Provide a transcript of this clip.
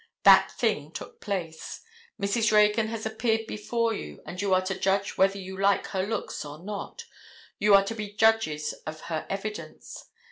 That thing took place. Mrs. Reagan has appeared before you and you are to judge whether you like her looks or not. You are to be judges of her evidence.